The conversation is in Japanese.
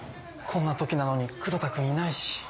こんな時なのに黒田君いないし。